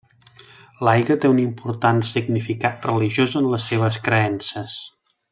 L'aigua té un important significat religiós en les seves creences.